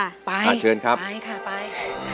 ไปค่ะไปค่ะไปอาจเชิญครับไป